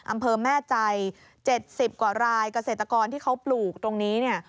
อำเภอแม่ใจ๗๐กว่ารายเกษตรกรที่เขาปลูกตรงนี้เนี่ย